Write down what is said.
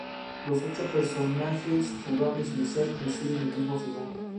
Los ocho personajes jugables iniciales reciben el mismo final.